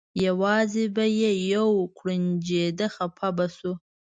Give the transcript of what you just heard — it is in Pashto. یوازې به یې یو کوړنجېده خپه به شو.